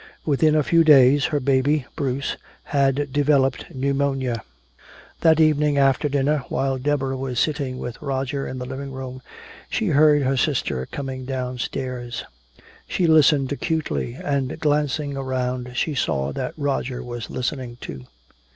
Within a few days her baby, Bruce, had developed pneumonia. That evening after dinner, while Deborah was sitting with Roger in the living room, she heard her sister coming downstairs. She listened acutely, and glancing around she saw that Roger was listening, too.